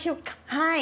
はい。